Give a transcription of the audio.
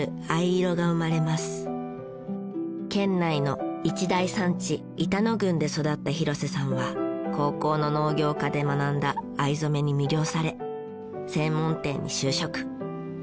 県内の一大産地板野郡で育った廣瀬さんは高校の農業科で学んだ藍染めに魅了され専門店に就職。